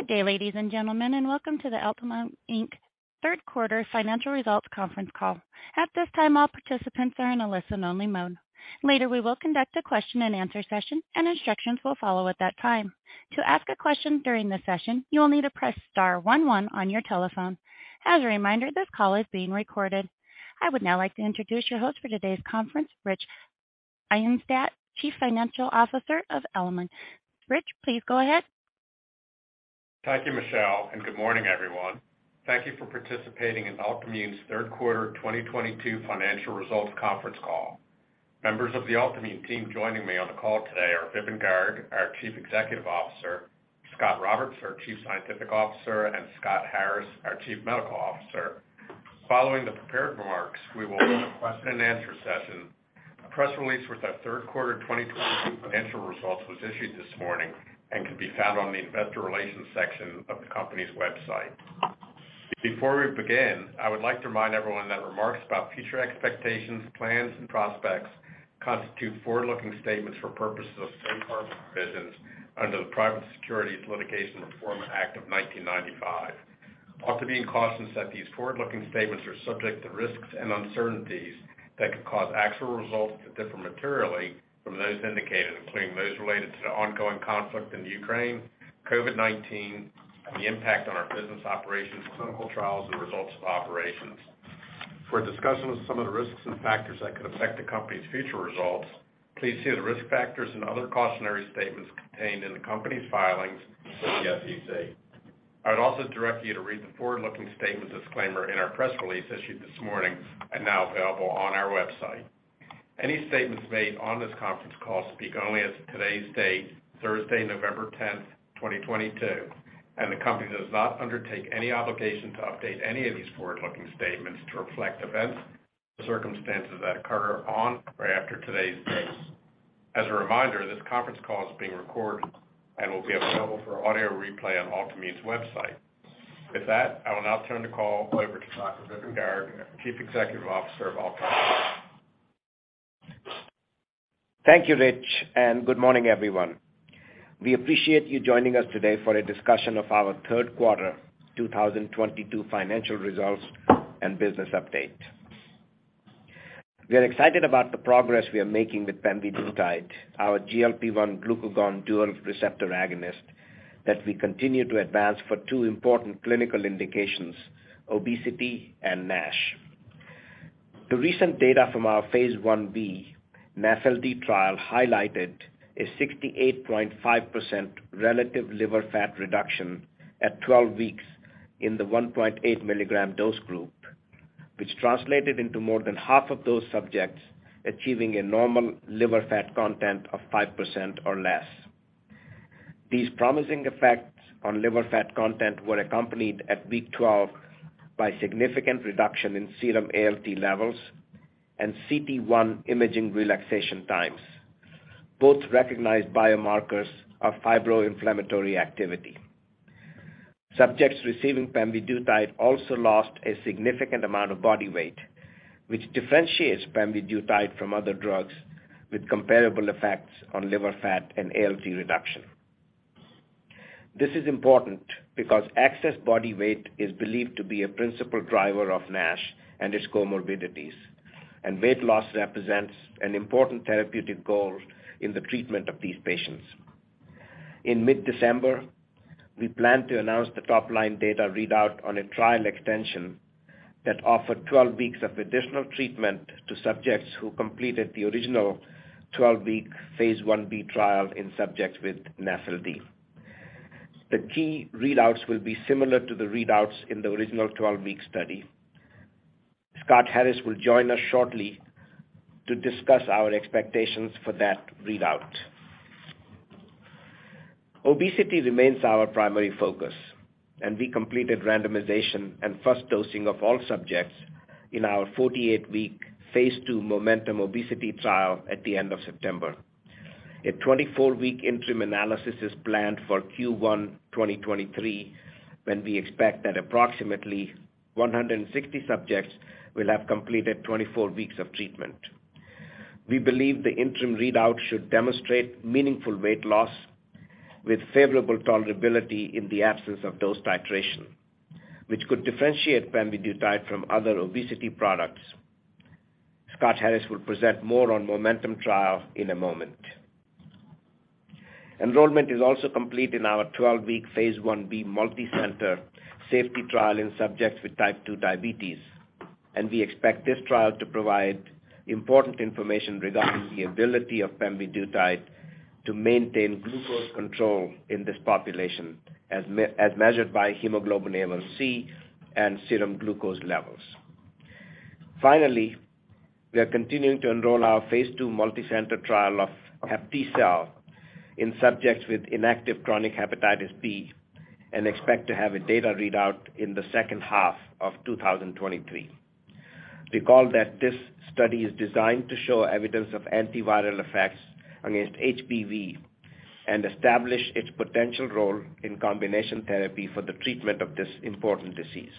Good day, ladies and gentlemen, and welcome to the Altimmune Inc. Third Quarter Financial Results Conference Call. At this time, all participants are in a listen only mode. Later, we will conduct a question and answer session and instructions will follow at that time. To ask a question during the session, you will need to press star one one on your telephone. As a reminder, this call is being recorded. I would now like to introduce your host for today's conference, Richard Eisenstadt, Chief Financial Officer of Altimmune. Rich, please go ahead. Thank you, Michelle, and good morning, everyone. Thank you for participating in Altimmune's Third Quarter 2022 Financial Results Conference Call. Members of the Altimmune team joining me on the call today are Vipin Garg, our Chief Executive Officer, Scot Roberts, our Chief Scientific Officer, and Scott Harris, our Chief Medical Officer. Following the prepared remarks, we will hold a question and answer session. A press release with our third quarter 2022 financial results was issued this morning and can be found on the Investor Relations section of the company's website. Before we begin, I would like to remind everyone that remarks about future expectations, plans and prospects constitute forward-looking statements for purposes of safe harbor provisions under the Private Securities Litigation Reform Act of 1995. Altimmune cautions that these forward-looking statements are subject to risks and uncertainties that could cause actual results to differ materially from those indicated, including those related to the ongoing conflict in Ukraine, COVID-19, and the impact on our business operations, clinical trials, and results of operations. For a discussion of some of the risks and factors that could affect the company's future results, please see the risk factors and other cautionary statements contained in the company's filings with the SEC. I'd also direct you to read the forward-looking statements disclaimer in our press release issued this morning and now available on our website. Any statements made on this conference call speak only as of today's date, Thursday, November 10th, 2022, and the company does not undertake any obligation to update any of these forward-looking statements to reflect events or circumstances that occur on or after today's date. As a reminder, this conference call is being recorded and will be available for audio replay on Altimmune's website. With that, I will now turn the call over to Dr. Vipin Garg, Chief Executive Officer of Altimmune. Thank you, Rich, and good morning everyone. We appreciate you joining us today for a discussion of our Third Quarter 2022 Financial Results and Business Update. We are excited about the progress we are making with pemvidutide, our GLP-1/glucagon dual receptor agonist that we continue to advance for two important clinical indications, obesity and NASH. The recent data from our phase I-B NAFLD trial highlighted a 68.5% relative liver fat reduction at 12 weeks in the 1.8 mg dose group, which translated into more than half of those subjects achieving a normal liver fat content of 5% or less. These promising effects on liver fat content were accompanied at week 12 by significant reduction in serum ALT levels and cT1 imaging relaxation times, both recognized biomarkers of fibroinflammatory activity. Subjects receiving pemvidutide also lost a significant amount of body weight, which differentiates pemvidutide from other drugs with comparable effects on liver fat and ALT reduction. This is important because excess body weight is believed to be a principal driver of NASH and its comorbidities, and weight loss represents an important therapeutic goal in the treatment of these patients. In mid-December, we plan to announce the top line data readout on a trial extension that offered 12 weeks of additional treatment to subjects who completed the original 12-week phase IB trial in subjects with NAFLD. The key readouts will be similar to the readouts in the original 12-week study. Scott Harris will join us shortly to discuss our expectations for that readout. Obesity remains our primary focus and we completed randomization and first dosing of all subjects in our 48-week phase II MOMENTUM obesity trial at the end of September. A 24-week interim analysis is planned for Q1 2023, when we expect that approximately 160 subjects will have completed 24 weeks of treatment. We believe the interim readout should demonstrate meaningful weight loss with favorable tolerability in the absence of dose titration, which could differentiate pemvidutide from other obesity products. Scott Harris will present more on MOMENTUM trial in a moment. Enrollment is also complete in our 12-week phase I-B multicenter safety trial in subjects with Type 2 diabetes, and we expect this trial to provide important information regarding the ability of pemvidutide to maintain glucose control in this population as measured by hemoglobin A1c and serum glucose levels. Finally, we are continuing to enroll our phase II multicenter trial of HepTcell in subjects with inactive chronic hepatitis B and expect to have a data readout in the second half of 2023. Recall that this study is designed to show evidence of antiviral effects against HBV and establish its potential role in combination therapy for the treatment of this important disease.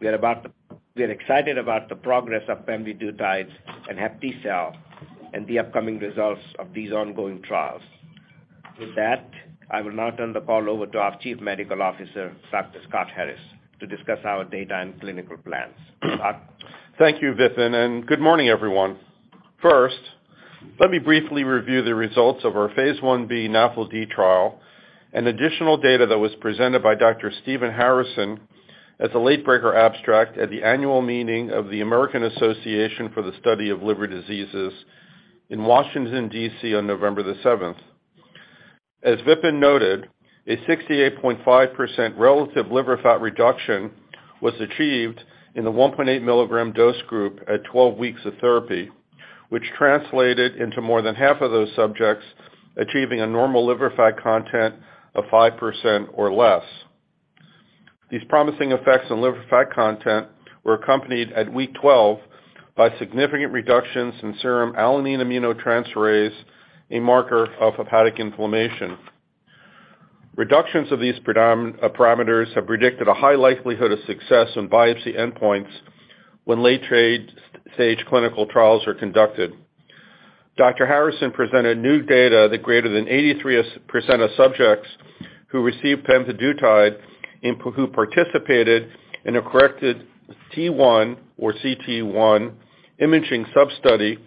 We are excited about the progress of pemvidutide and HepTcell and the upcoming results of these ongoing trials. With that, I will now turn the call over to our Chief Medical Officer, Dr. Scott Harris, to discuss our data and clinical plans. Scott? Thank you, Vipin, and good morning, everyone. First, let me briefly review the results of our phase I-B NAFLD trial and additional data that was presented by Dr. Stephen Harrison at the Late Breaker Abstract at the annual meeting of the American Association for the Study of Liver Diseases in Washington, D.C., on November the 7th. As Vipin noted, a 68.5% relative liver fat reduction was achieved in the 1.8 mg dose group at 12 weeks of therapy, which translated into more than half of those subjects achieving a normal liver fat content of 5% or less. These promising effects on liver fat content were accompanied at week 12 by significant reductions in serum alanine aminotransferase, a marker of hepatic inflammation. Reductions of these parameters have predicted a high likelihood of success on biopsy endpoints when late-stage clinical trials are conducted. Harrison presented new data that greater than 83% of subjects who received pemvidutide who participated in a cT1 imaging sub-study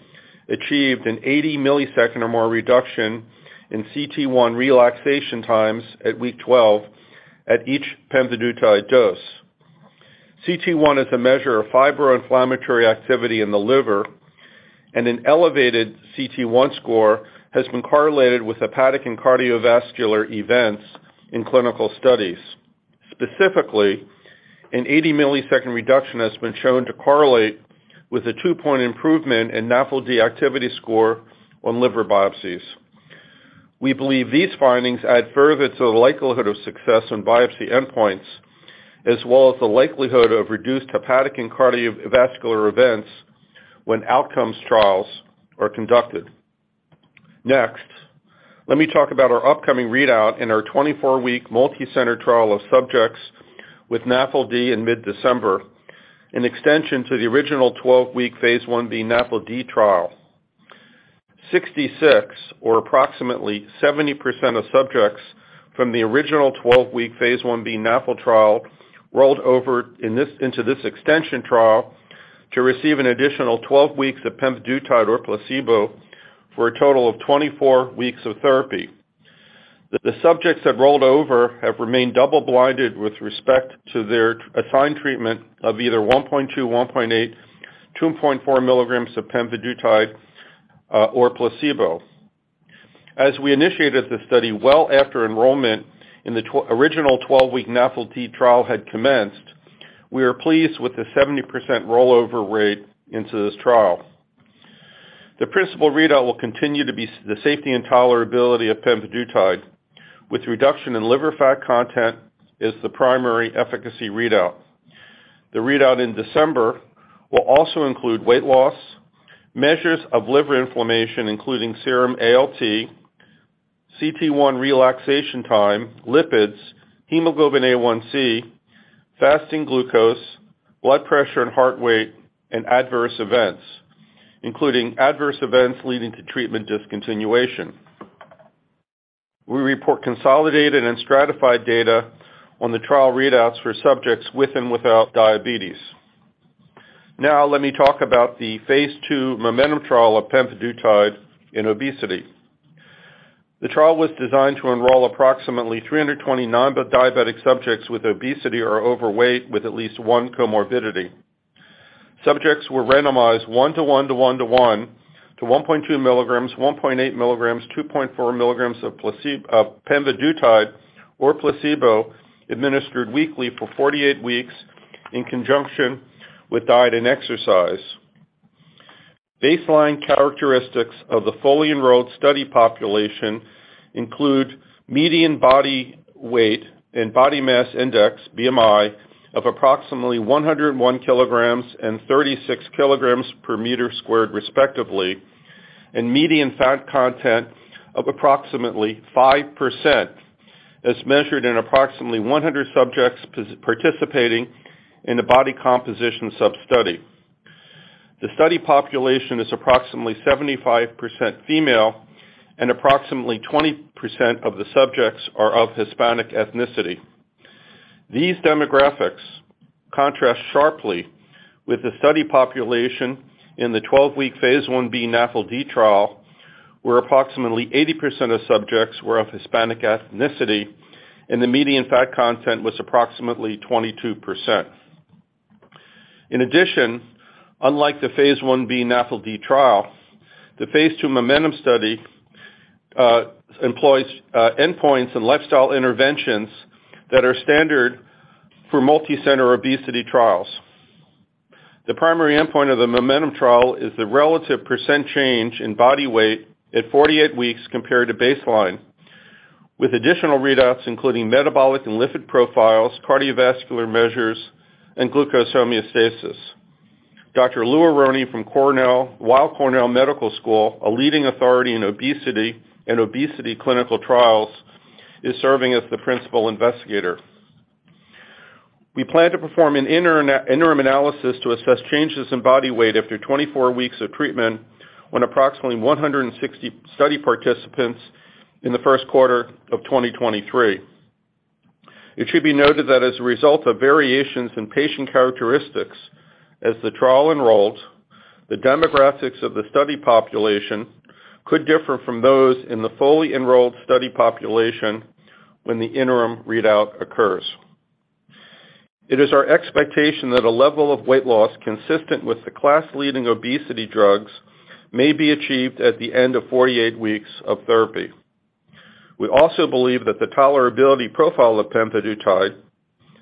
achieved an 80-ms or more reduction in cT1 relaxation times at week 12 at each pemvidutide dose. cT1 is a measure of fibroinflammatory activity in the liver, and an elevated cT1 score has been correlated with hepatic and cardiovascular events in clinical studies. Specifically, an 80-ms reduction has been shown to correlate with a two-point improvement in NAFLD activity score on liver biopsies. We believe these findings add further to the likelihood of success on biopsy endpoints, as well as the likelihood of reduced hepatic and cardiovascular events when outcomes trials are conducted. Next, let me talk about our upcoming readout in our 24-week multi-center trial of subjects with NAFLD in mid-December, an extension to the original 12-week phase I-B NAFLD trial. 66 or approximately 70% of subjects from the original 12-week phase I-B NAFLD trial rolled over into this extension trial to receive an additional 12 weeks of pemvidutide or placebo for a total of 24 weeks of therapy. The subjects that rolled over have remained double-blinded with respect to their assigned treatment of either 1.2, 1.8, 2.4 mg of pemvidutide or placebo. As we initiated the study well after enrollment in the original 12-week NAFLD trial had commenced, we are pleased with the 70% rollover rate into this trial. The principal readout will continue to be the safety and tolerability of pemvidutide, with reduction in liver fat content as the primary efficacy readout. The readout in December will also include weight loss, measures of liver inflammation, including serum ALT, cT1 relaxation time, lipids, hemoglobin A1c, fasting glucose, blood pressure and heart weight, and adverse events, including adverse events leading to treatment discontinuation. We report consolidated and stratified data on the trial readouts for subjects with and without diabetes. Now let me talk about the phase II MOMENTUM trial of pemvidutide in obesity. The trial was designed to enroll approximately 320 non-diabetic subjects with obesity or overweight with at least one comorbidity. Subjects were randomized 1 to 1 to 1 to 1 to 1.2 mg, 1.8 mg, 2.4 mg of pemvidutide or placebo, administered weekly for 48 weeks in conjunction with diet and exercise. Baseline characteristics of the fully enrolled study population include median body weight and body mass index, BMI, of approximately 101 kg and 36 kg per meter squared, respectively, and median fat content of approximately 5%, as measured in approximately 100 subjects participating in a body composition sub-study. The study population is approximately 75% female and approximately 20% of the subjects are of Hispanic ethnicity. These demographics contrast sharply with the study population in the 12-week phase I-B NAFLD trial, where approximately 80% of subjects were of Hispanic ethnicity and the median fat content was approximately 22%. In addition, unlike the phase I-B NAFLD trial, the phase II MOMENTUM study employs endpoints and lifestyle interventions that are standard for multicenter obesity trials. The primary endpoint of the MOMENTUM trial is the relative percent change in body weight at 48 weeks compared to baseline, with additional readouts including metabolic and lipid profiles, cardiovascular measures, and glucose homeostasis. Dr. Louis Aronne from Weill Cornell Medicine is serving as the principal investigator. We plan to perform an interim analysis to assess changes in body weight after 24 weeks of treatment on approximately 160 study participants in the first quarter of 2023. It should be noted that as a result of variations in patient characteristics as the trial enrolls, the demographics of the study population could differ from those in the fully enrolled study population when the interim readout occurs. It is our expectation that a level of weight loss consistent with the class-leading obesity drugs may be achieved at the end of 48 weeks of therapy. We also believe that the tolerability profile of pemvidutide,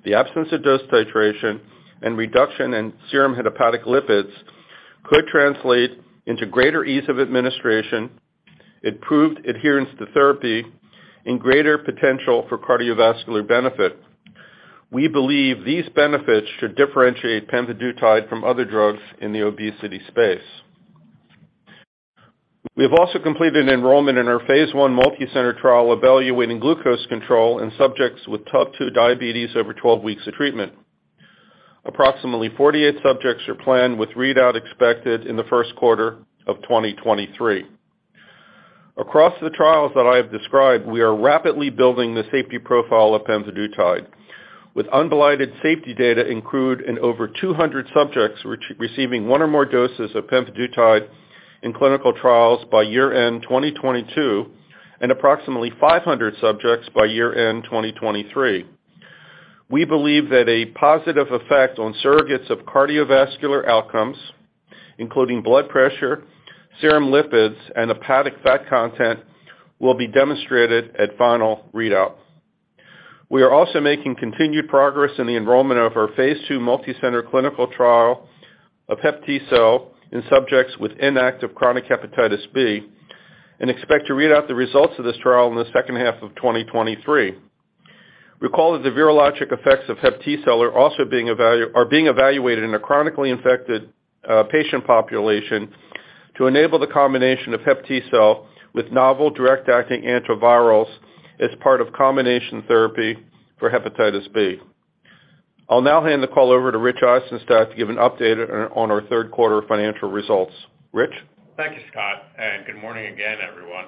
the absence of dose titration, and reduction in serum hepatic lipids could translate into greater ease of administration, improved adherence to therapy, and greater potential for cardiovascular benefit. We believe these benefits should differentiate pemvidutide from other drugs in the obesity space. We have also completed an enrollment in our phase I multicenter trial evaluating glucose control in subjects with Type 2 diabetes over 12 weeks of treatment. Approximately 48 subjects are planned, with readout expected in the first quarter of 2023. Across the trials that I have described, we are rapidly building the safety profile of pemvidutide. With unblinded safety data included in over 200 subjects receiving one or more doses of pemvidutide in clinical trials by year-end 2022, and approximately 500 subjects by year-end 2023. We believe that a positive effect on surrogates of cardiovascular outcomes, including blood pressure, serum lipids, and hepatic fat content, will be demonstrated at final readout. We are also making continued progress in the enrollment of our phase II multicenter clinical trial of HepTcell in subjects with inactive chronic hepatitis B and expect to read out the results of this trial in the second half of 2023. Recall that the virologic effects of HepTcell are also being evaluated in a chronically infected patient population to enable the combination of HepTcell with novel direct-acting antivirals as part of combination therapy for hepatitis B. I'll now hand the call over to Richard Eisenstadt to give an update on our third quarter financial results. Richard? Thank you, Scott, and good morning again, everyone.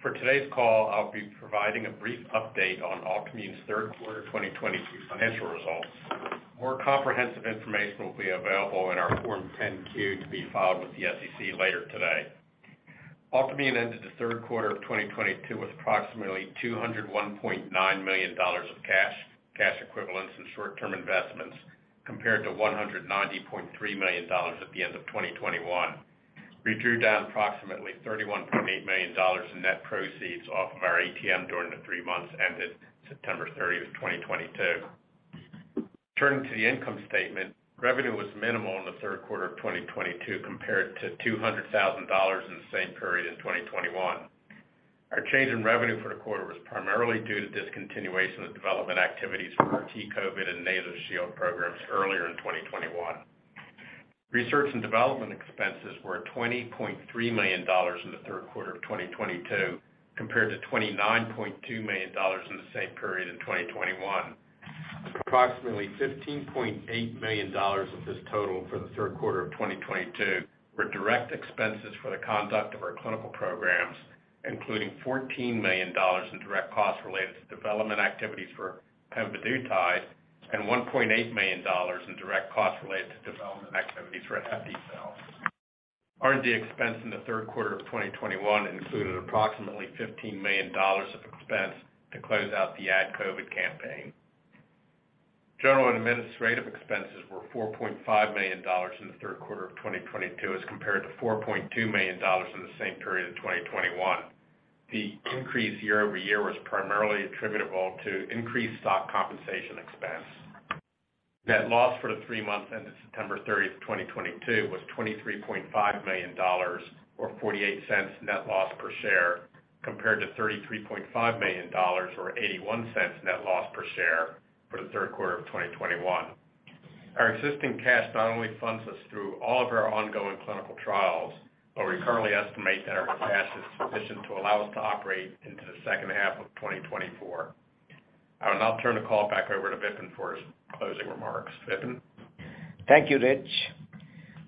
For today's call, I'll be providing a brief update on Altimmune's third quarter 2022 financial results. More comprehensive information will be available in our Form 10-Q to be filed with the SEC later today. Altimmune ended the third quarter of 2022 with approximately $201.9 million of cash, cash equivalents and short-term investments, compared to $190.3 million at the end of 2021. We drew down approximately $31.8 million in net proceeds off of our ATM during the three months ended September 30, 2022. Turning to the income statement, revenue was minimal in the third quarter of 2022 compared to $200,000 in the same period in 2021. Our change in revenue for the quarter was primarily due to discontinuation of development activities for our T-COVID and NasoShield programs earlier in 2021. Research and development expenses were $20.3 million in the third quarter of 2022, compared to $29.2 million in the same period in 2021. Approximately $15.8 million of this total for the third quarter of 2022 were direct expenses for the conduct of our clinical programs, including $14 million in direct costs related to development activities for pemvidutide and $1.8 million in direct costs related to development activities for HepTcell. R&D expense in the third quarter of 2021 included approximately $15 million of expense to close out the AdCOVID campaign. General and administrative expenses were $4.5 million in the third quarter of 2022 as compared to $4.2 million in the same period in 2021. The increase year-over-year was primarily attributable to increased stock compensation expense. Net loss for the three months ended September 30th, 2022, was $23.5 million or $0.48 net loss per share, compared to $33.5 million or $0.81 net loss per share for the third quarter of 2021. Our existing cash not only funds us through all of our ongoing clinical trials, but we currently estimate that our cash is sufficient to allow us to operate into the second half of 2024. I will now turn the call back over to Vipin for his closing remarks. Vipin? Thank you, Rich.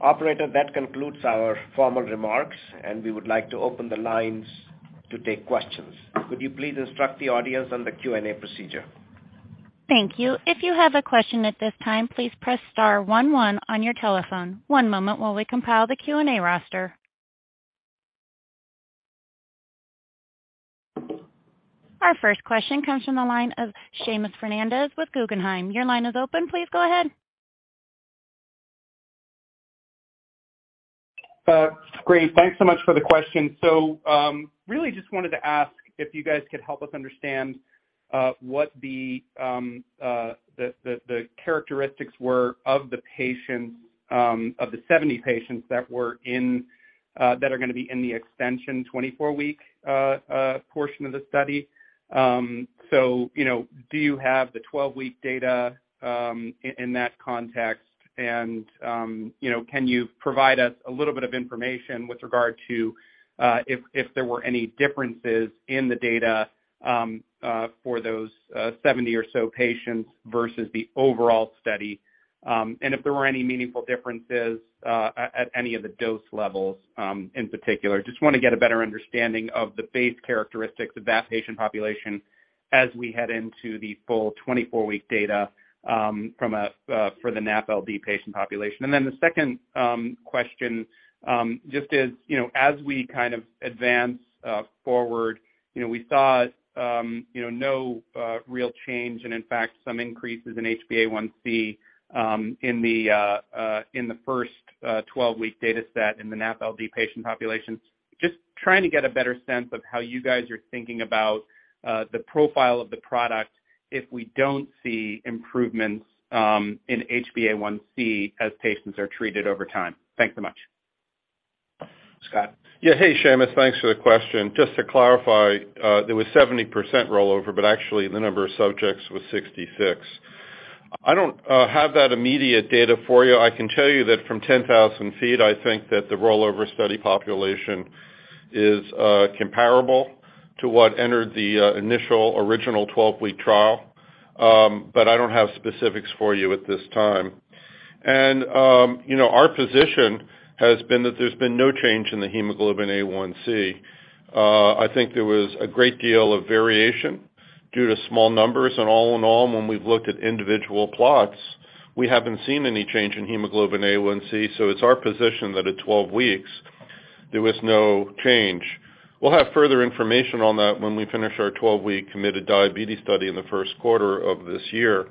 Operator, that concludes our formal remarks, and we would like to open the lines to take questions. Could you please instruct the audience on the Q&A procedure? Thank you. If you have a question at this time, please press star one one on your telephone. One moment while we compile the Q&A roster. Our first question comes from the line of Seamus Fernandez with Guggenheim. Your line is open. Please go ahead. Great. Thanks so much for the question. Really just wanted to ask if you guys could help us understand what the characteristics were of the patients of the 70 patients that are gonna be in the extension 24-week portion of the study. You know, do you have the 12-week data in that context? You know, can you provide us a little bit of information with regard to if there were any differences in the data for those 70 or so patients versus the overall study? If there were any meaningful differences at any of the dose levels in particular. Just wanna get a better understanding of the baseline characteristics of that patient population as we head into the full 24-week data for the NAFLD patient population. Then the second question, just as you know, as we kind of advance forward, you know, we saw no real change and in fact some increases in HbA1c in the first 12-week data set in the NAFLD patient population. Just trying to get a better sense of how you guys are thinking about the profile of the product if we don't see improvements in HbA1c as patients are treated over time. Thanks so much. Scott? Yeah. Hey, Seamus, thanks for the question. Just to clarify, there was 70% rollover, but actually the number of subjects was 66. I don't have that immediate data for you. I can tell you that from 10,000 feet, I think that the rollover study population is comparable to what entered the initial, original 12-week trial. I don't have specifics for you at this time. You know, our position has been that there's been no change in the hemoglobin A1c. I think there was a great deal of variation due to small numbers. All in all, when we've looked at individual plots, we haven't seen any change in hemoglobin A1c. It's our position that at 12 weeks there was no change. We'll have further information on that when we finish our 12-week committed diabetes study in the first quarter of this year.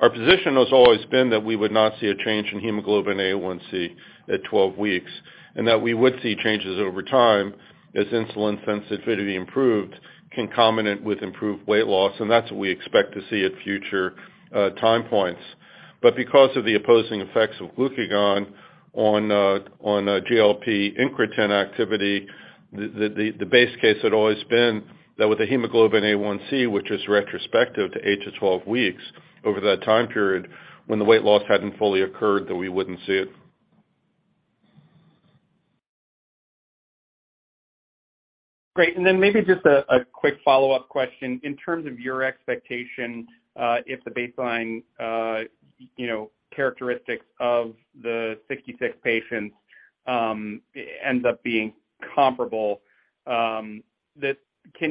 Our position has always been that we would not see a change in hemoglobin A1c at 12 weeks, and that we would see changes over time as insulin sensitivity improved, concomitant with improved weight loss, and that's what we expect to see at future time points. Because of the opposing effects of glucagon on GLP incretin activity, the base case had always been that with the hemoglobin A1c, which is retrospective to eight to 12 weeks, over that time period when the weight loss hadn't fully occurred, that we wouldn't see it. Great. Then maybe just a quick follow-up question. In terms of your expectation, if the baseline, you know, characteristics of the 66 patients ends up being comparable, can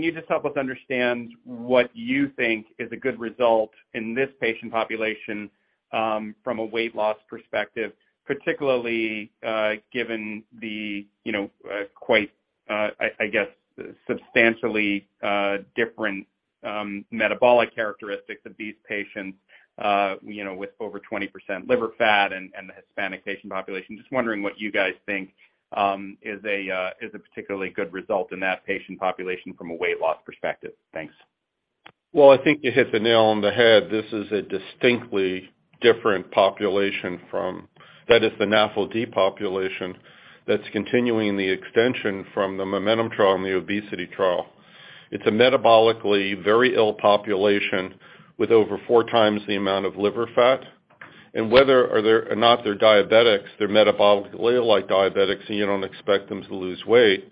you just help us understand what you think is a good result in this patient population, from a weight loss perspective, particularly, given the, you know, quite, I guess substantially different metabolic characteristics of these patients, you know, with over 20% liver fat and the Hispanic patient population. Just wondering what you guys think is a particularly good result in that patient population from a weight loss perspective. Thanks. Well, I think you hit the nail on the head. This is a distinctly different population from that is the NAFLD population that's continuing the extension from the MOMENTUM trial and the obesity trial. It's a metabolically very ill population with over four times the amount of liver fat. Whether or not they're diabetics, they're metabolically like diabetics, and you don't expect them to lose weight.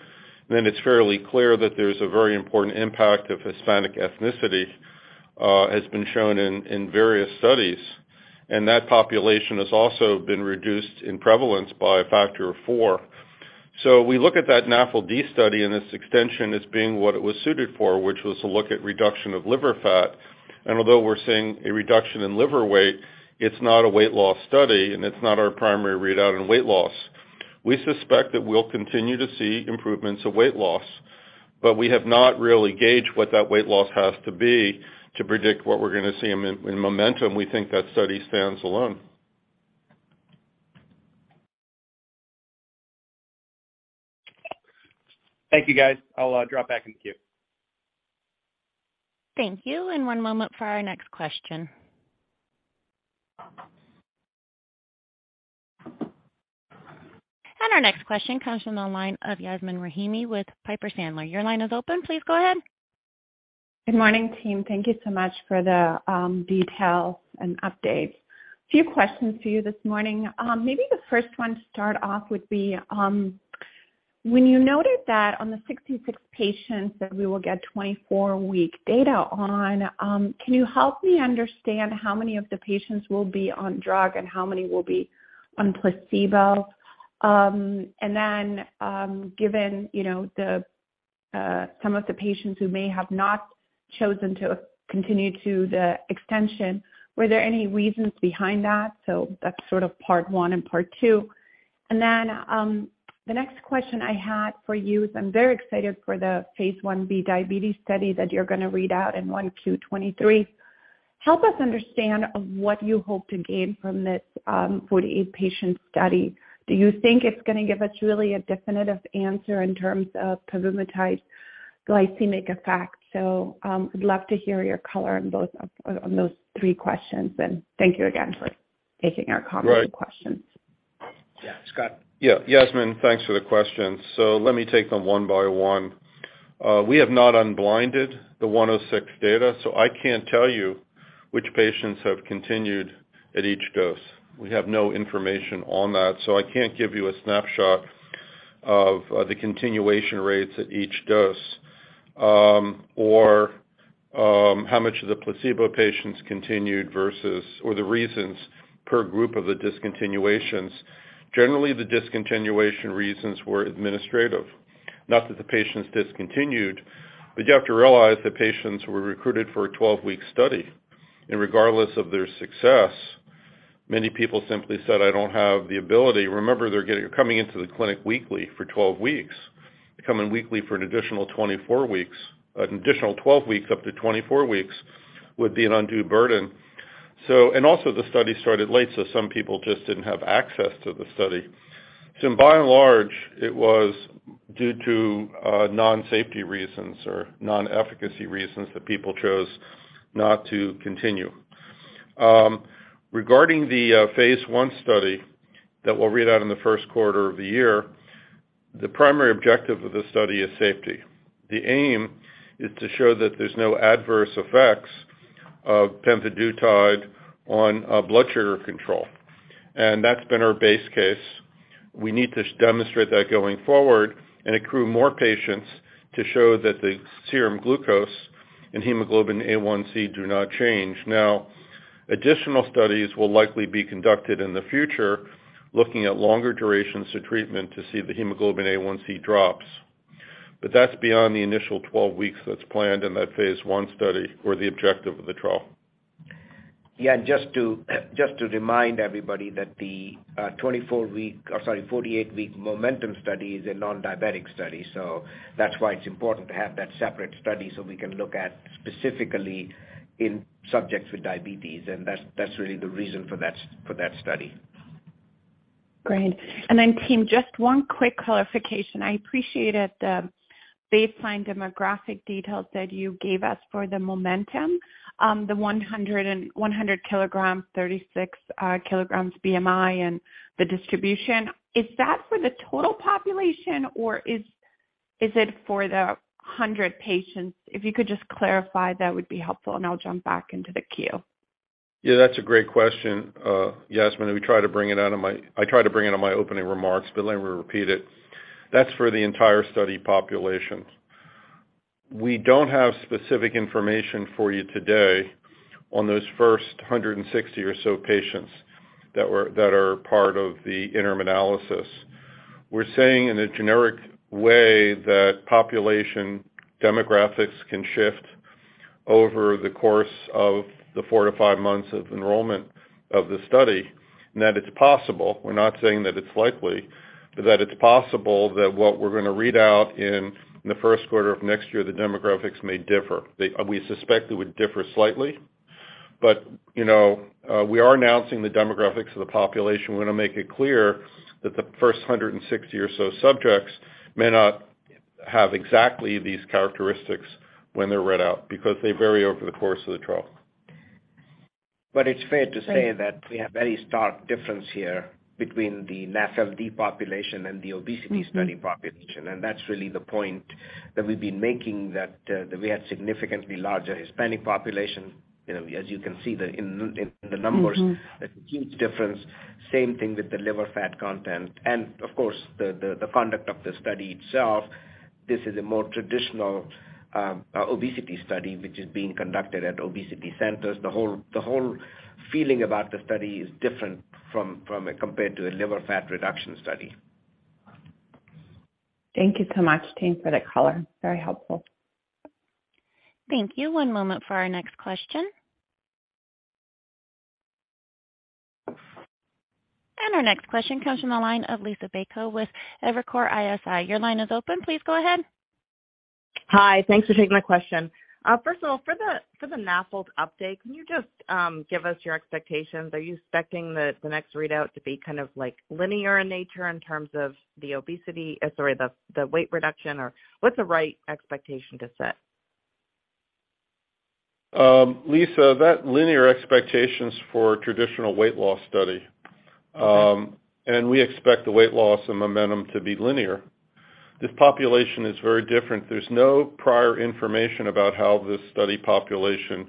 It's fairly clear that there's a very important impact of Hispanic ethnicity has been shown in various studies, and that population has also been reduced in prevalence by a factor of four. We look at that NAFLD study and its extension as being what it was suited for, which was to look at reduction of liver fat. Although we're seeing a reduction in liver weight, it's not a weight loss study and it's not our primary readout in weight loss. We suspect that we'll continue to see improvements of weight loss, but we have not really gauged what that weight loss has to be to predict what we're gonna see in MOMENTUM. We think that study stands alone. Thank you, guys. I'll drop back in the queue. Thank you, and one moment for our next question. Our next question comes from the line of Yasmeen Rahimi with Piper Sandler. Your line is open. Please go ahead. Good morning, team. Thank you so much for the details and updates. A few questions for you this morning. Maybe the first one to start off would be when you noted that on the 66 patients that we will get 24-week data on, can you help me understand how many of the patients will be on drug and how many will be on placebo? Given you know some of the patients who may have not chosen to continue to the extension, were there any reasons behind that? That's sort of part one and part two. The next question I had for you is I'm very excited for the phase I-B diabetes study that you're gonna read out in 1Q2023. Help us understand what you hope to gain from this 48-patient study. Do you think it's gonna give us really a definitive answer in terms of pemvidutide glycemic effect? I'd love to hear your color on both of those three questions. Thank you again for taking our common questions. Right. Yeah, Scott. Yeah, Yasmeen, thanks for the question. Let me take them one by one. We have not unblinded the 106 data, so I can't tell you which patients have continued at each dose. We have no information on that, so I can't give you a snapshot of the continuation rates at each dose, or how much of the placebo patients continued versus, or the reasons per group of the discontinuations. Generally, the discontinuation reasons were administrative. Not that the patients discontinued, but you have to realize that patients were recruited for a 12-week study. Regardless of their success, many people simply said, "I don't have the ability." Remember, they're coming into the clinic weekly for 12 weeks. They come in weekly for an additional 24 weeks. An additional 12 weeks up to 24 weeks would be an undue burden. The study started late, so some people just didn't have access to the study. By and large, it was due to non-safety reasons or non-efficacy reasons that people chose not to continue. Regarding the phase I study that we'll read out in the first quarter of the year, the primary objective of the study is safety. The aim is to show that there's no adverse effects of pemvidutide on blood sugar control. That's been our base case. We need to demonstrate that going forward and accrue more patients to show that the serum glucose and hemoglobin A1c do not change. Now, additional studies will likely be conducted in the future looking at longer durations to treatment to see if the hemoglobin A1c drops. That's beyond the initial 12 weeks that's planned in that phase I study or the objective of the trial. Yeah, just to remind everybody that the 48-week MOMENTUM study is a non-diabetic study. That's why it's important to have that separate study so we can look at specifically in subjects with diabetes. That's really the reason for that study. Great. Team, just one quick clarification. I appreciated the baseline demographic details that you gave us for the MOMENTUM, the 100 kg, 36 kg BMI and the distribution. Is that for the total population or is it for the 100 patients? If you could just clarify, that would be helpful, and I'll jump back into the queue. Yeah, that's a great question, Yasmeen. I try to bring it in my opening remarks, but let me repeat it. That's for the entire study population. We don't have specific information for you today on those first 160 or so patients that are part of the interim analysis. We're saying in a generic way that population demographics can shift over the course of the four to five months of enrollment of the study, and that it's possible. We're not saying that it's likely, but that it's possible that what we're gonna read out in the first quarter of next year, the demographics may differ. We suspect it would differ slightly, but, you know, we are announcing the demographics of the population. We're gonna make it clear that the first 160 or so subjects may not have exactly these characteristics when they're read out because they vary over the course of the trial. It's fair to say that we have very stark difference here between the NAFLD population and the obesity study population. That's really the point that we've been making that we had significantly larger Hispanic population. You know, as you can see in the numbers, a huge difference. Same thing with the liver fat content and of course, the conduct of the study itself. This is a more traditional obesity study, which is being conducted at obesity centers. The whole feeling about the study is different compared to a liver fat reduction study. Thank you so much, team, for the color. Very helpful. Thank you. One moment for our next question. Our next question comes from the line of Liisa Bayko with Evercore ISI. Your line is open. Please go ahead. Hi. Thanks for taking my question. First of all, for the NAFLD update, can you just give us your expectations? Are you expecting the next readout to be kind of like linear in nature in terms of the obesity, the weight reduction or what's the right expectation to set? Liisa, that linear expectation's for traditional weight loss study. We expect the weight loss in MOMENTUM to be linear. This population is very different. There's no prior information about how this study population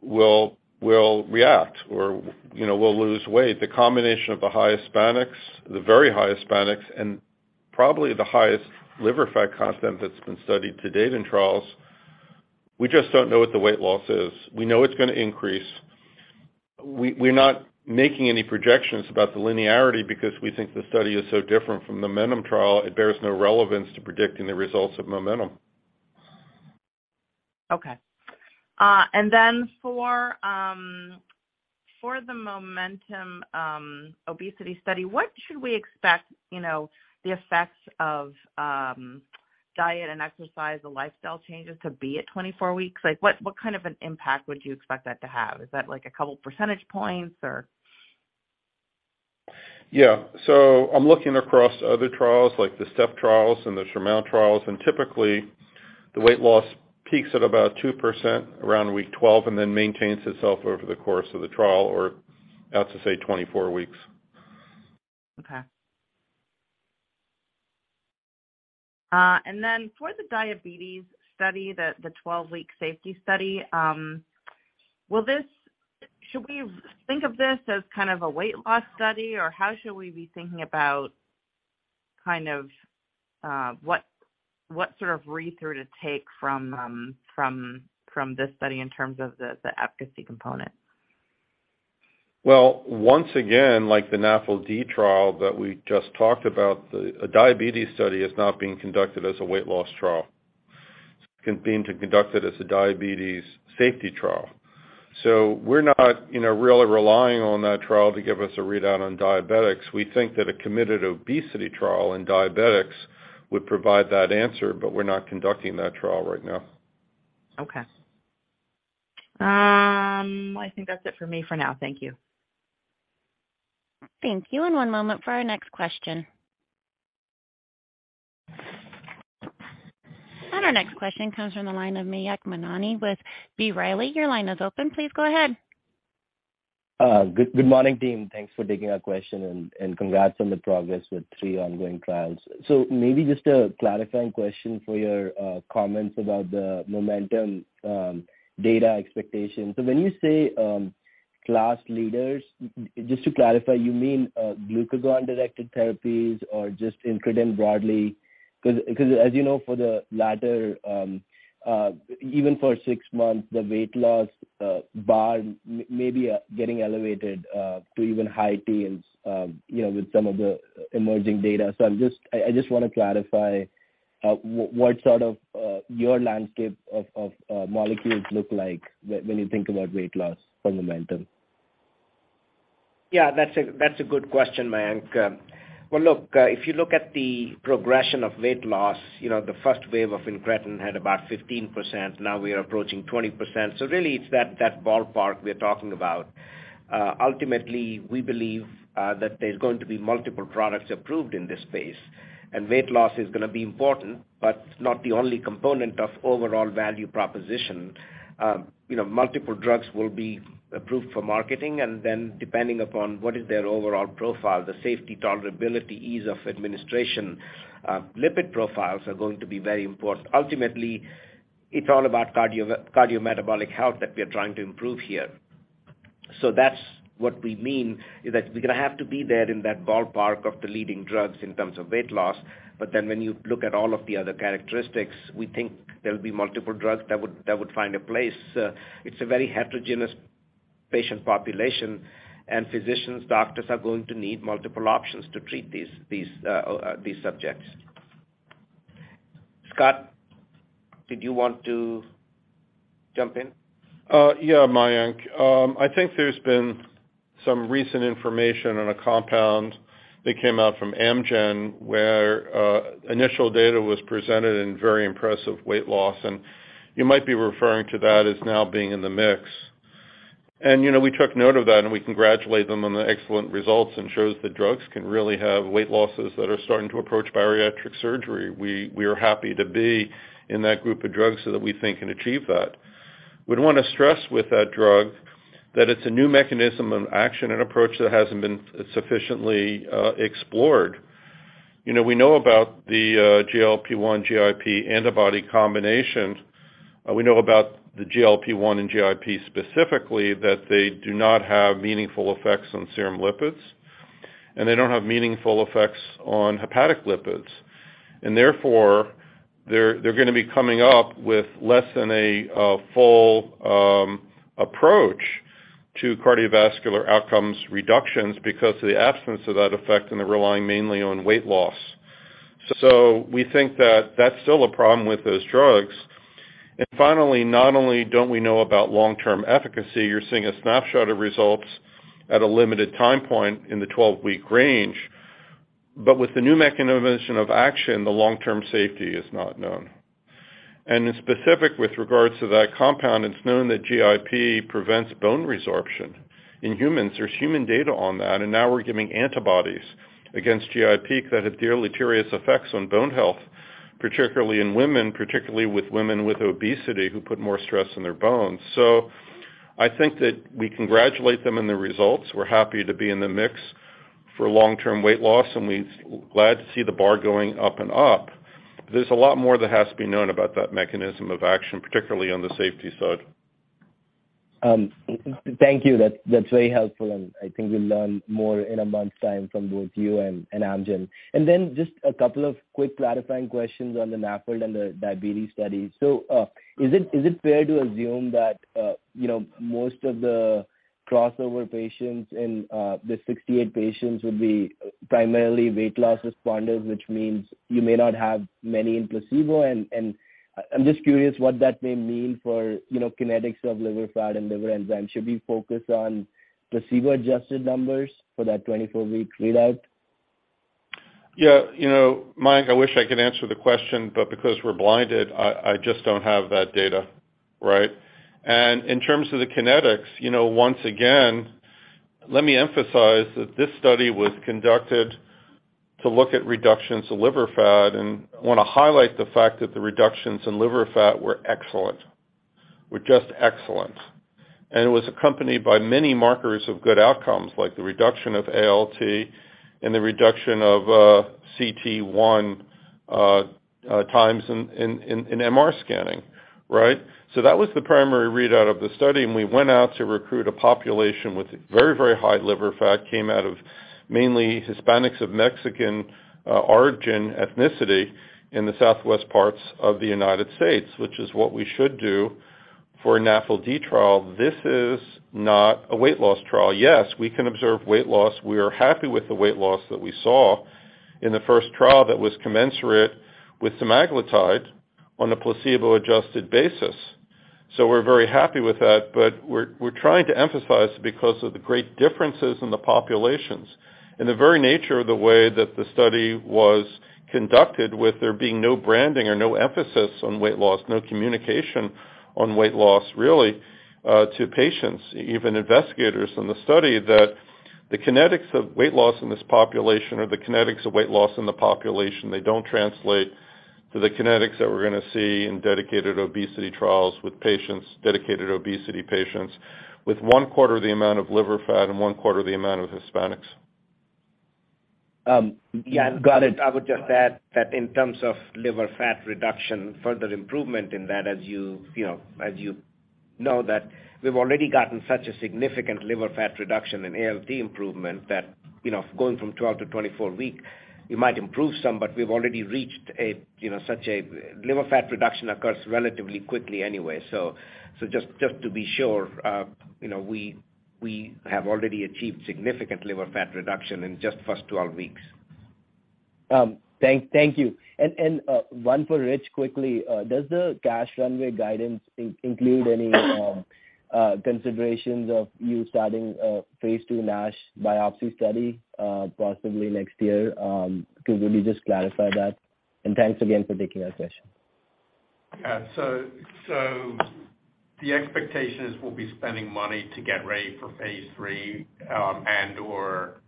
will react or, you know, will lose weight. The combination of the high Hispanics, the very high Hispanics, and probably the highest liver fat content that's been studied to date in trials, we just don't know what the weight loss is. We know it's gonna increase. We're not making any projections about the linearity because we think the study is so different from the MOMENTUM trial, it bears no relevance to predicting the results of MOMENTUM. Okay. For the MOMENTUM obesity study, what should we expect, you know, the effects of diet and exercise, the lifestyle changes to be at 24 weeks? Like, what kind of an impact would you expect that to have? Is that like a couple percentage points, or? Yeah. I'm looking across other trials, like the STEP trials and the SURMOUNT trials, and typically the weight loss peaks at about 2% around week 12 and then maintains itself over the course of the trial or out to, say, 24 weeks. Okay. For the diabetes study, the 12-week safety study, should we think of this as kind of a weight loss study, or how should we be thinking about kind of what sort of read-through to take from this study in terms of the efficacy component? Well, once again, like the NAFLD trial that we just talked about, a diabetes study is not being conducted as a weight loss trial. It's being conducted as a diabetes safety trial. We're not, you know, really relying on that trial to give us a readout on diabetics. We think that a committed obesity trial in diabetics would provide that answer, but we're not conducting that trial right now. Okay. I think that's it for me for now. Thank you. Thank you. One moment for our next question. Our next question comes from the line of Mayank Mamtani with B. Riley. Your line is open. Please go ahead. Good morning, team. Thanks for taking our question and congrats on the progress with three ongoing trials. Maybe just a clarifying question for your comments about the MOMENTUM data expectation. When you say class leaders, just to clarify, you mean glucagon-directed therapies or just incretin broadly? 'Cause as you know, for the latter, even for six months, the weight loss bar maybe getting elevated to even high teens, you know, with some of the emerging data. I just want to clarify what sort of your landscape of molecules look like when you think about weight loss for MOMENTUM. Yeah, that's a good question, Mayank. Well, look, if you look at the progression of weight loss, you know, the first wave of incretin had about 15%. Now we are approaching 20%. Really it's that ballpark we're talking about. Ultimately, we believe that there's going to be multiple products approved in this space and weight loss is gonna be important, but not the only component of overall value proposition. You know, multiple drugs will be approved for marketing and then depending upon what is their overall profile, the safety tolerability, ease of administration, lipid profiles are going to be very important. Ultimately, it's all about cardio-metabolic health that we are trying to improve here. That's what we mean is that we're gonna have to be there in that ballpark of the leading drugs in terms of weight loss. When you look at all of the other characteristics, we think there'll be multiple drugs that would find a place. It's a very heterogeneous patient population and physicians, doctors are going to need multiple options to treat these subjects. Scott, did you want to jump in? Yeah, Mayank. I think there's been some recent information on a compound that came out from Amgen where initial data was presented in very impressive weight loss, and you might be referring to that as now being in the mix. You know, we took note of that, and we congratulate them on the excellent results and shows that drugs can really have weight losses that are starting to approach bariatric surgery. We are happy to be in that group of drugs so that we think can achieve that. We'd wanna stress with that drug that it's a new mechanism of action and approach that hasn't been sufficiently explored. You know, we know about the GLP-1/GIP antibody combination. We know about the GLP-1 and GIP specifically, that they do not have meaningful effects on serum lipids, and they don't have meaningful effects on hepatic lipids. Therefore, they're gonna be coming up with less than a full approach to cardiovascular outcomes reductions because of the absence of that effect and they're relying mainly on weight loss. We think that that's still a problem with those drugs. Finally, not only don't we know about long-term efficacy, you're seeing a snapshot of results at a limited time point in the 12-week range. With the new mechanism of action, the long-term safety is not known. In specific with regards to that compound, it's known that GIP prevents bone resorption in humans. There's human data on that, and now we're giving antibodies against GIP that have deleterious effects on bone health, particularly in women, particularly with women with obesity who put more stress on their bones. I think that we congratulate them on the results. We're happy to be in the mix for long-term weight loss, and we're glad to see the bar going up and up. There's a lot more that has to be known about that mechanism of action, particularly on the safety side. Thank you. That's very helpful, and I think we'll learn more in a month's time from both you and Amgen. Then just a couple of quick clarifying questions on the NAFLD and the diabetes study. Is it fair to assume that you know most of the crossover patients in the 68 patients would be primarily weight loss responders, which means you may not have many in placebo? I'm just curious what that may mean for you know kinetics of liver fat and liver enzymes. Should we focus on placebo-adjusted numbers for that 24-week readout? Yeah. You know, Mayank, I wish I could answer the question, but because we're blinded, I just don't have that data, right? In terms of the kinetics, you know, once again, let me emphasize that this study was conducted to look at reductions in liver fat, and I wanna highlight the fact that the reductions in liver fat were excellent. Were just excellent. It was accompanied by many markers of good outcomes, like the reduction of ALT and the reduction of cT1 in MRI scanning, right? That was the primary readout of the study, and we went out to recruit a population with very, very high liver fat, came out of mainly Hispanics of Mexican origin ethnicity in the southwest parts of the United States, which is what we should do for a NAFLD trial. This is not a weight loss trial. Yes, we can observe weight loss. We are happy with the weight loss that we saw in the first trial that was commensurate with semaglutide on a placebo-adjusted basis. We're very happy with that. We're trying to emphasize because of the great differences in the populations and the very nature of the way that the study was conducted, with there being no branding or no emphasis on weight loss, no communication on weight loss, really, to patients, even investigators in the study. The kinetics of weight loss in this population or the kinetics of weight loss in the population, they don't translate to the kinetics that we're gonna see in dedicated obesity trials with patients, dedicated obesity patients with one quarter of the amount of liver fat and one quarter of the amount of Hispanics. Yeah. Got it. I would just add that in terms of liver fat reduction, further improvement in that, as you know that we've already gotten such a significant liver fat reduction and ALT improvement that, you know, going from 12 to 24 weeks, you might improve some, but we've already reached, you know, liver fat reduction occurs relatively quickly anyway. Just to be sure, you know, we have already achieved significant liver fat reduction in just the first 12 weeks. Thank you. One for Rich quickly. Does the cash runway guidance include any considerations of starting a phase II NASH biopsy study, possibly next year? Could you maybe just clarify that? Thanks again for taking our question. The expectation is we'll be spending money to get ready for phase III and/or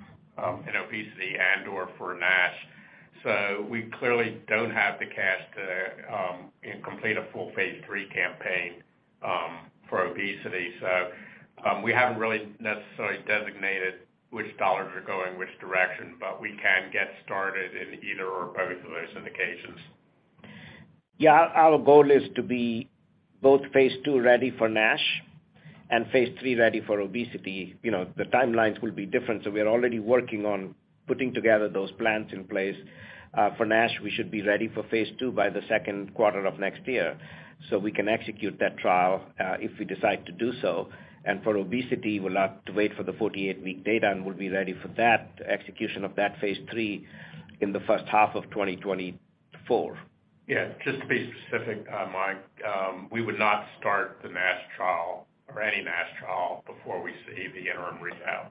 in obesity and/or for NASH. We clearly don't have the cash to, you know, complete a full phase III campaign for obesity. We haven't really necessarily designated which dollars are going which direction, but we can get started in either or both of those indications. Yeah. Our goal is to be both phase II ready for NASH and phase III ready for obesity. You know, the timelines will be different, so we are already working on putting together those plans in place. For NASH, we should be ready for phase II by the second quarter of next year, so we can execute that trial, if we decide to do so. For obesity, we'll have to wait for the 48-week data, and we'll be ready for that execution of that phase III in the first half of 2024. Yeah, just to be specific, Mike, we would not start the NASH trial or any NASH trial before we see the interim readout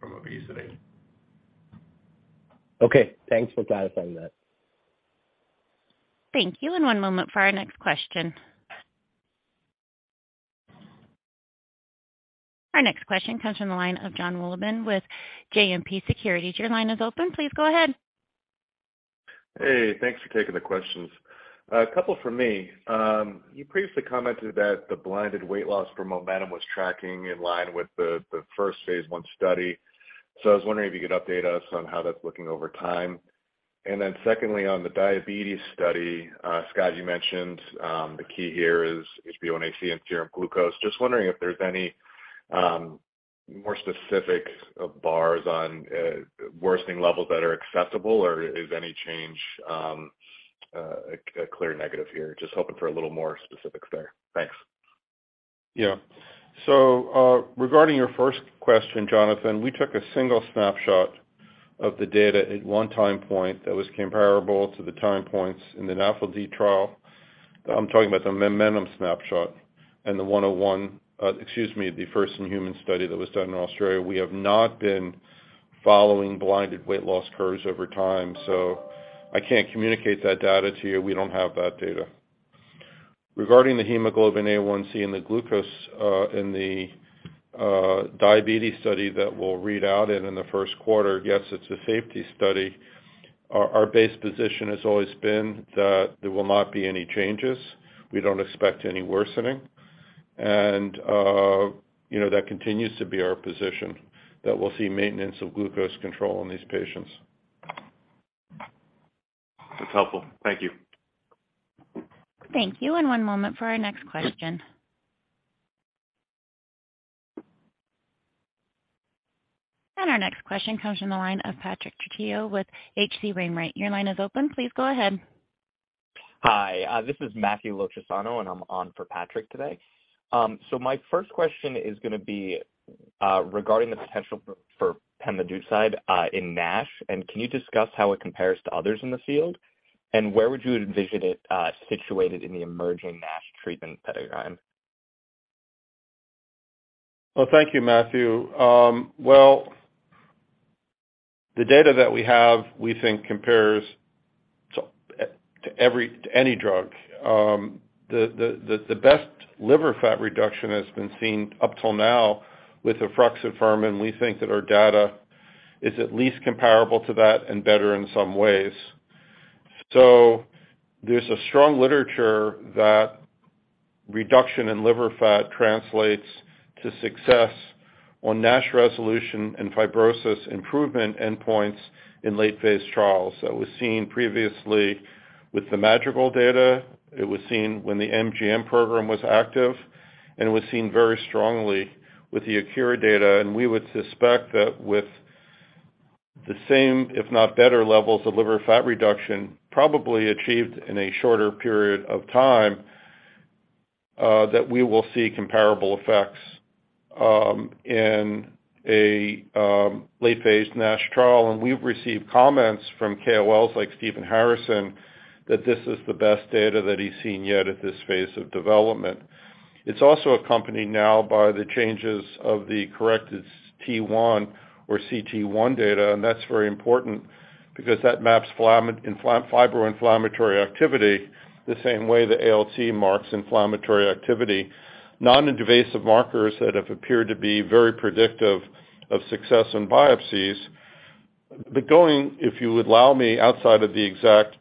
from obesity. Okay. Thanks for clarifying that. Thank you. One moment for our next question. Our next question comes from the line of Jon Wolleben with JMP Securities. Your line is open. Please go ahead. Hey, thanks for taking the questions. A couple from me. You previously commented that the blinded weight loss for MOMENTUM was tracking in line with the first phase I study. I was wondering if you could update us on how that's looking over time. Secondly, on the diabetes study, Scott, you mentioned the key here is HbA1c and serum glucose. Just wondering if there's any more specific bars on worsening levels that are acceptable, or is any change a clear negative here? Just hoping for a little more specifics there. Thanks. Yeah. Regarding your first question, Jon, we took a single snapshot of the data at one time point that was comparable to the time points in the NAFLD trial. I'm talking about the MOMENTUM snapshot and the 101. Excuse me, the first in human study that was done in Australia. We have not been following blinded weight loss curves over time, so I can't communicate that data to you. We don't have that data. Regarding the hemoglobin A1c and the glucose, in the diabetes study that we'll read out in the first quarter, yes, it's a safety study. Our base position has always been that there will not be any changes. We don't expect any worsening. You know, that continues to be our position, that we'll see maintenance of glucose control in these patients. That's helpful. Thank you. Thank you. One moment for our next question. Our next question comes from the line of Patrick Trucchio with H.C. Wainwright. Your line is open. Please go ahead. Hi. This is Matthew Loccisano, and I'm on for Patrick today. My first question is gonna be regarding the potential for pemvidutide in NASH, and can you discuss how it compares to others in the field? Where would you envision it situated in the emerging NASH treatment paradigm? Well, thank you, Matthew. Well, the data that we have, we think compares to any drug. The best liver fat reduction has been seen up till now with efruxifermin, and we think that our data is at least comparable to that and better in some ways. There's a strong literature that reduction in liver fat translates to success on NASH resolution and fibrosis improvement endpoints in late-phase trials. That was seen previously with the Madrigal data. It was seen when the NGM program was active, and it was seen very strongly with the Akero data. We would suspect that with the same, if not better, levels of liver fat reduction probably achieved in a shorter period of time, that we will see comparable effects in a late-phase NASH trial. We've received comments from KOLs like Stephen Harrison that this is the best data that he's seen yet at this phase of development. It's also accompanied now by the changes of the cT1 data, and that's very important because that maps fibroinflammatory activity the same way the ALT marks inflammatory activity. Non-invasive markers that have appeared to be very predictive of success in biopsies. Going, if you would allow me, outside of the exact,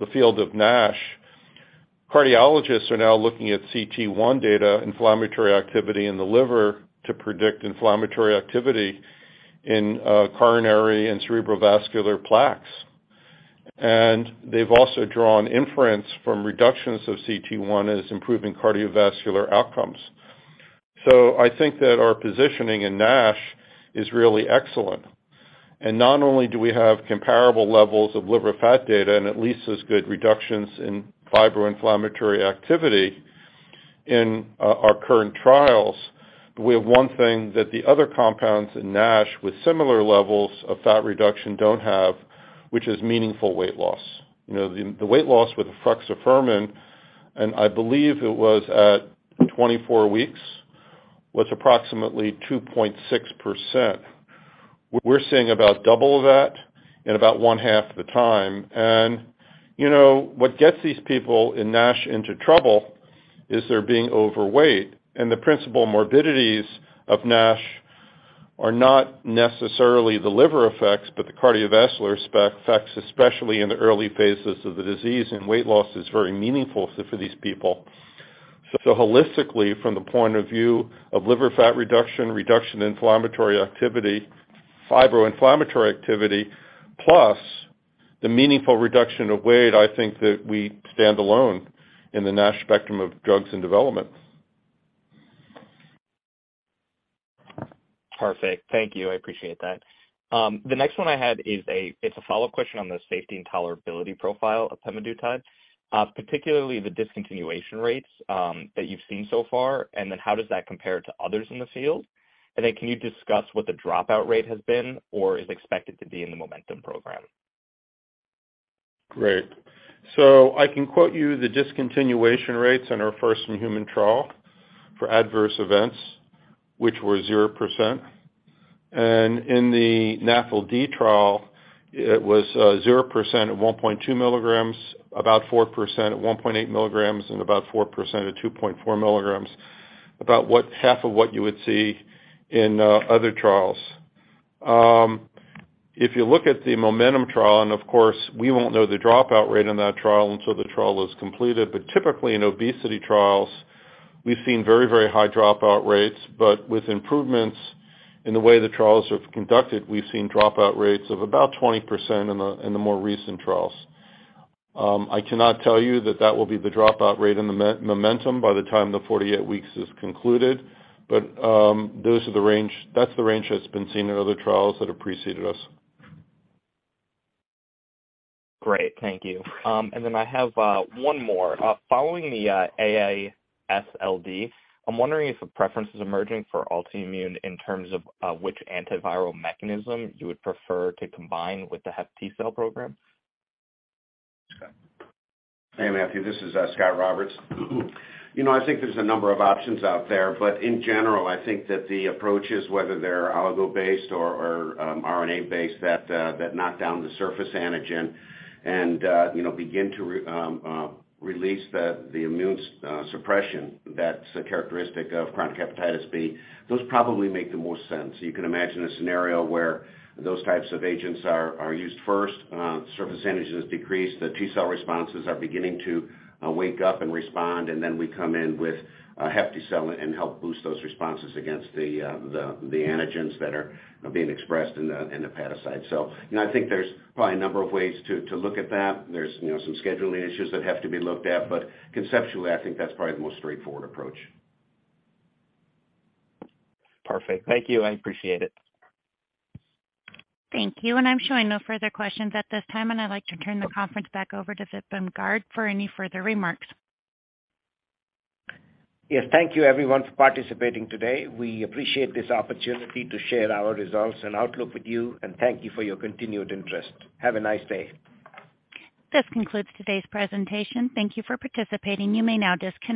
the field of NASH, cardiologists are now looking at cT1 data, inflammatory activity in the liver, to predict inflammatory activity in coronary and cerebrovascular plaques. They've also drawn inference from reductions of cT1 as improving cardiovascular outcomes. I think that our positioning in NASH is really excellent. Not only do we have comparable levels of liver fat data and at least as good reductions in fibroinflammatory activity in our current trials, but we have one thing that the other compounds in NASH with similar levels of fat reduction don't have, which is meaningful weight loss. You know, the weight loss with efruxifermin, and I believe it was at 24 weeks, was approximately 2.6%. We're seeing about double that in about one half the time. You know, what gets these people in NASH into trouble is their being overweight. The principal morbidities of NASH are not necessarily the liver effects, but the cardiovascular effects, especially in the early phases of the disease, and weight loss is very meaningful for these people. Holistically, from the point of view of liver fat reduction in inflammatory activity, fibroinflammatory activity, plus the meaningful reduction of weight, I think that we stand alone in the NASH spectrum of drugs and development. Perfect. Thank you. I appreciate that. The next one I had it's a follow-up question on the safety and tolerability profile of pemvidutide, particularly the discontinuation rates that you've seen so far, and then how does that compare to others in the field? Can you discuss what the dropout rate has been or is expected to be in the MOMENTUM program? Great. I can quote you the discontinuation rates in our first human trial for adverse events, which were 0%. In the NAFLD trial, it was 0% at 1.2 mg, about 4% at 1.8 mg, and about 4% at 2.4 mg. About half of what you would see in other trials. If you look at the MOMENTUM trial and of course we won't know the dropout rate on that trial until the trial is completed. Typically in obesity trials we've seen very, very high dropout rates. With improvements in the way the trials have conducted, we've seen dropout rates of about 20% in the more recent trials. I cannot tell you that will be the dropout rate in MOMENTUM by the time the 48 weeks is concluded. That's the range that's been seen in other trials that have preceded us. Great, thank you. I have one more. Following the AASLD, I'm wondering if a preference is emerging for Altimmune in terms of which antiviral mechanism you would prefer to combine with the HepTcell program. Hey, Matthew, this is Scot Roberts. You know, I think there's a number of options out there, but in general, I think that the approaches, whether they're oligo-based or RNA-based, that knock down the surface antigen and you know, begin to release the immune suppression that's a characteristic of chronic hepatitis B, those probably make the most sense. You can imagine a scenario where those types of agents are used first. Surface antigen is decreased, the T-cell responses are beginning to wake up and respond, and then we come in with HepTcell and help boost those responses against the antigens that are being expressed in the hepatocyte. You know, I think there's probably a number of ways to look at that. There's, you know, some scheduling issues that have to be looked at. Conceptually, I think that's probably the most straightforward approach. Perfect. Thank you, I appreciate it. Thank you. I'm showing no further questions at this time, and I'd like to turn the conference back over to Vipin Garg for any further remarks. Yes, thank you everyone for participating today. We appreciate this opportunity to share our results and outlook with you, and thank you for your continued interest. Have a nice day. This concludes today's presentation. Thank you for participating. You may now disconnect.